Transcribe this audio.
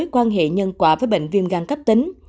quan hệ nhân quả với bệnh viêm gan cấp tính